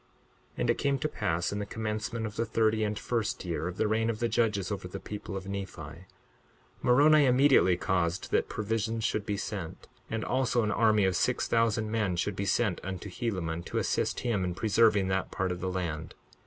62:12 And it came to pass in the commencement of the thirty and first year of the reign of the judges over the people of Nephi, Moroni immediately caused that provisions should be sent, and also an army of six thousand men should be sent unto Helaman, to assist him in preserving that part of the land.